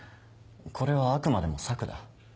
これはあくまでも策だ。